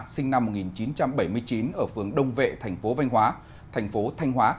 sinh năm một nghìn chín trăm bảy mươi chín ở phường đông vệ thành phố thanh hóa